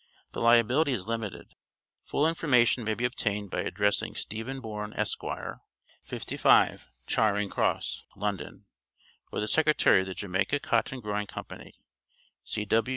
The liability is limited. Full information may be obtained by addressing Stephen Bourne, Esq., 55 Charing Cross, London, or the Secretary of the "Jamaica Cotton growing Company," C. W.